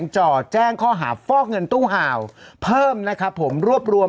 จ่อแจ้งข้อหาฟอกเงินตู้ห่าวเพิ่มนะครับผมรวบรวม